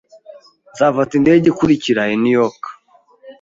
Nzafata indege ikurikira i New York.